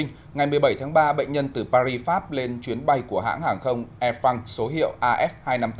ngày một mươi bảy tháng ba bệnh nhân từ paris pháp lên chuyến bay của hãng hàng không air france số hiệu af hai trăm năm mươi tám